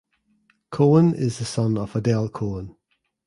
Cohen is the son of Adele Cohen.